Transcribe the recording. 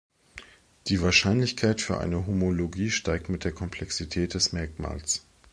Die Wahrscheinlichkeit für eine Homologie steigt mit der Komplexität des Merkmals.